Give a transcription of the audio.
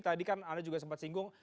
tadi kan anda juga sempat singgung